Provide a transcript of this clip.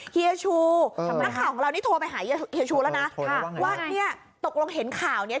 เฮียชูนักข่าวของเรานี่โทรไปหาเฮียชูแล้วนะว่าเนี่ยตกลงเห็นข่าวเนี่ย